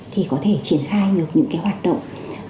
thì có thể triển khai được những hoạt động